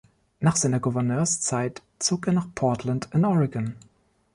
Nach seiner Gouverneurszeit zog er nach Portland in Oregon.